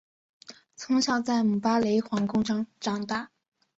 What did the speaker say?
从小在姆巴雷皇宫中长大。